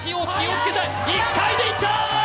１回で行った！